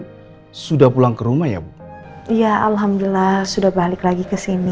ibu andin itu sudah pulang ke rumah ya bu iya alhamdulillah sudah balik lagi ke sini